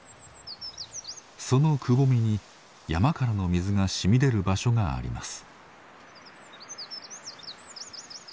そのくぼみに山からの水が染み出る場所があります。